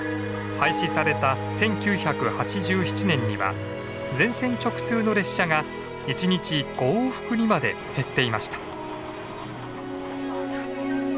廃止された１９８７年には全線直通の列車が１日５往復にまで減っていました。